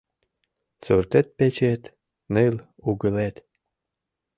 Суртет-печет — ныл угылет